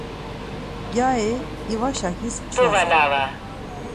Gyari iva şakis pçvaten.